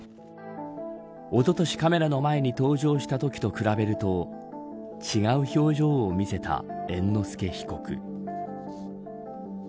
おととしカメラの前に登場したときと比べると違う表情を見せた猿之助被告。